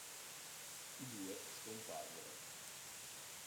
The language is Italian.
I due scomparvero.